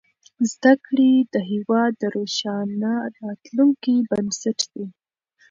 زدهکړې د هېواد د روښانه راتلونکي بنسټ دی.